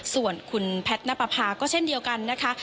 ส่วนคุณแพทย์นับประพาก็เช่นเดียวกันนะคะ